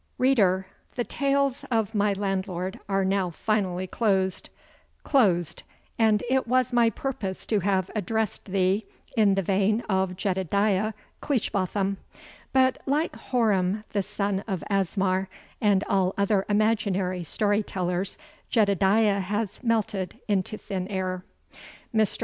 READER! THE TALES OF MY LANDLORD ARE NOW FINALLY CLOSED, closed, and it was my purpose to have addressed thee in the vein of Jedediah Cleishbotham; but, like Horam the son of Asmar, and all other imaginary story tellers, Jedediah has melted into thin air. Mr.